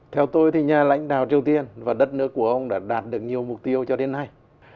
theo tôi thì nhà lãnh đạo triều tiên và đất nước của ông đã đạt được nhiều mục tiêu cho đến nay